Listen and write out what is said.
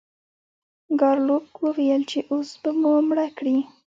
ګارلوک وویل چې اوس به مو مړه کړئ.